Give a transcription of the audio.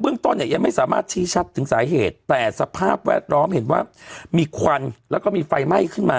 เรื่องต้นยังไม่สามารถชี้ชัดถึงสาเหตุแต่สภาพแวดล้อมเห็นว่ามีควันแล้วก็มีไฟไหม้ขึ้นมา